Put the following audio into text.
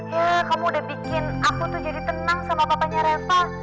ya kamu udah bikin aku tuh jadi tenang sama papanya reva